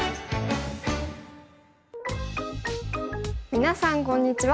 皆さんこんにちは。